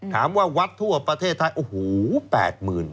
ถามว่าวัดทั่วประเทศไทยโอ้โหแปดหมื่น